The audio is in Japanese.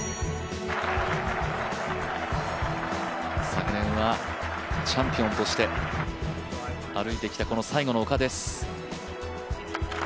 昨年はチャンピオンとして歩いてきて、この最後の丘です。